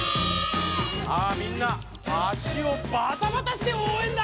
さあみんな足をバタバタしておうえんだ！